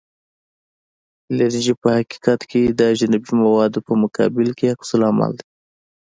الرژي په حقیقت کې د اجنبي موادو په مقابل کې عکس العمل دی.